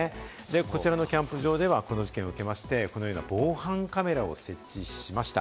こちらのキャンプ場では、この事件を受けまして、このような防犯カメラを設置しました。